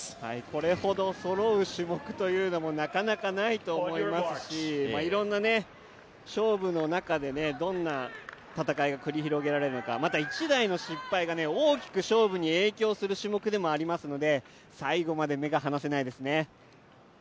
これほどそろう種目というのも、なかなかないと思いますし、いろいろな勝負の中で、どんな戦いが繰り広げられるのかまた１台の失敗が大きく勝負に影響する種目でもありますので最後まで目が離せないですね。